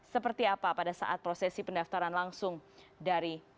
seperti apa pada saat prosesi pendaftaran langsung dari